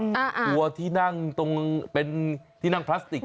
ตัวที่นั่งตรงเป็นที่นั่งพลาสติก